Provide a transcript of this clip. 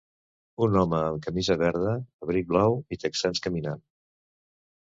Un home amb camisa verda, abric blau i texans caminant.